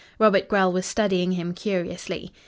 Robert Grell was studying him curiously.